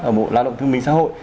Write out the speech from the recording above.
và bộ lao động thương minh xã hội